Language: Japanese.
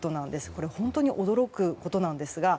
これ本当に驚くことなんですが。